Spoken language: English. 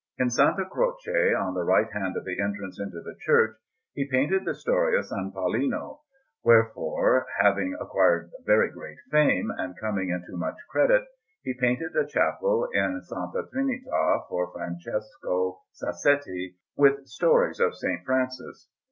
In S. Croce, on the right hand of the entrance into the church, he painted the Story of S. Paulino; wherefore, having acquired very great fame and coming into much credit, he painted a chapel in S. Trinita for Francesco Sassetti, with stories of S. Francis.